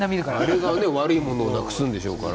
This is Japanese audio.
あれが悪いものをなくすんでしょうから。